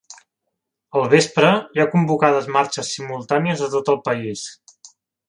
Al vespre, hi ha convocades marxes simultànies a tot el país.